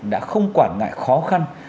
đã không quản ngại khó khăn